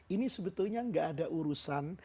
ini sebetulnya nggak ada urusan